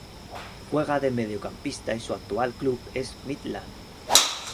Juega de mediocampista y su actual club es Midland.